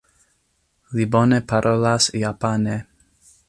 Li bone parolas japane.